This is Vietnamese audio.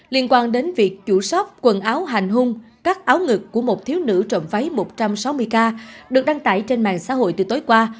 liên quan đến việc chủ quần áo hành hung các áo ngực của một thiếu nữ trộm váy một trăm sáu mươi k được đăng tải trên mạng xã hội từ tối qua